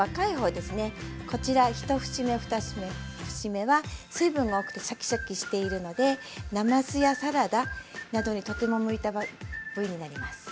目は水分が多くてシャキシャキしているのでなますやサラダなどにとても向いた部位になります。